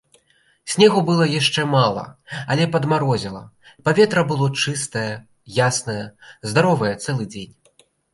Снегу было яшчэ мала, але падмарозіла, паветра было чыстае, яснае, здаровае цэлы дзень.